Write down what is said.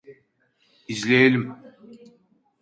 İzleyelim.